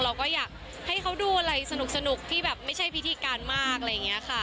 เราก็อยากให้เขาดูอะไรสนุกที่แบบไม่ใช่พิธีการมากอะไรอย่างนี้ค่ะ